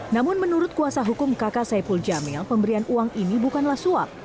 namun menurut kuasa hukum kakak saipul jamil pemberian uang ini bukanlah suap